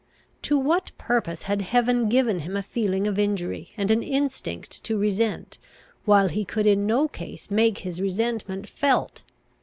] To what purpose had Heaven given him a feeling of injury, and an instinct to resent, while he could in no case make his resentment felt!